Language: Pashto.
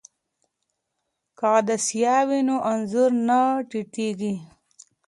که عدسیه وي نو انځور نه تتېږي.